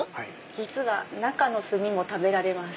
実は中の炭も食べられます。